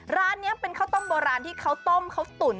ร้านนี้เป็นข้าวต้มโบราณที่เขาต้มเขาตุ๋น